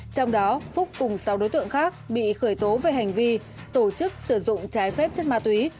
trong đó phúc cùng sáu đối tượng khác bị khởi tố về hành vi tổ chức sử dụng trái phép chất ma túy